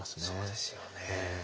そうですよね。